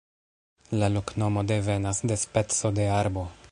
La loknomo devenas de speco de arbo.